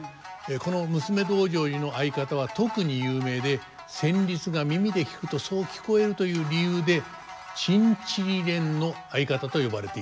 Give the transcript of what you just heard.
この「娘道成寺」の合方は特に有名で旋律が耳で聴くとそう聞こえるという理由で「チンチリレンの合方」と呼ばれているんです。